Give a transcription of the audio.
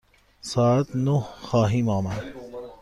ساعت نه خواهیم آمد.